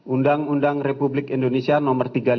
undang undang republik indonesia nomor tiga puluh delapan